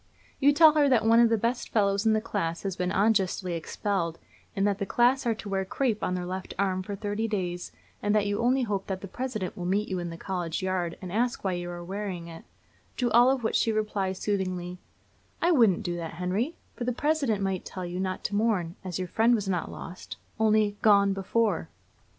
You tell her that one of the best fellows in the class has been unjustly expelled, and that the class are to wear crape on their left arms for thirty days, and that you only hope that the President will meet you in the college yard and ask why you wear it; to all of which she replies soothingly, 'I wouldn't do that, Henry; for the President might tell you not to mourn, as your friend was not lost, only gone before.'